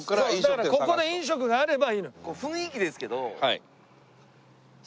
だからここで飲食があればいいのよ。